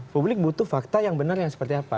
publik butuh fakta yang benar yang seperti apa